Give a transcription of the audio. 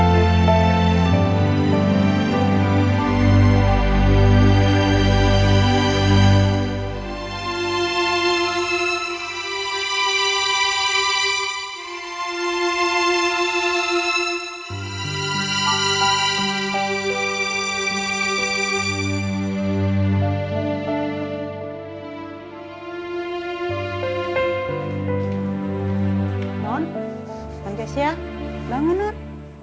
bang kesya bangun nur